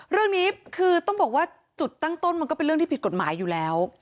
เรื่องนี้คือต้องบอกว่าจุดตั้งต้นมันก็เป็นเรื่องที่ผิดกฎหมายอยู่แล้ว